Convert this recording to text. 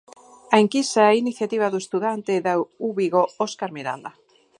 A enquisa é iniciativa do estudante da Uvigo Óscar Miranda.